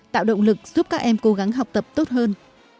tạo động lực giúp các em cố gắng học tập tốt hơn